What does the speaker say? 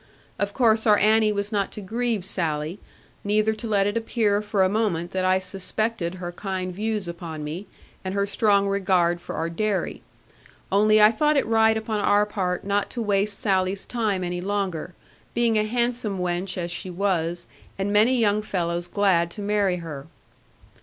Of course our Annie was not to grieve Sally, neither to let it appear for a moment that I suspected her kind views upon me, and her strong regard for our dairy: only I thought it right upon our part not to waste Sally's time any longer, being a handsome wench as she was, and many young fellows glad to marry her.